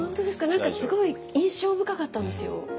何かすごい印象深かったんですよ。